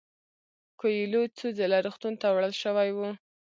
کویلیو څو ځله روغتون ته وړل شوی و.